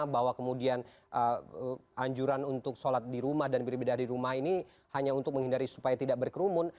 bahwa kemudian anjuran untuk sholat di rumah dan berbeda di rumah ini hanya untuk menghindari supaya tidak berkerumun